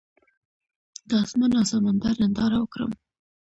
د اسمان او سمندر ننداره وکړم.